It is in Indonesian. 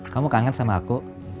kamu kangen sama aku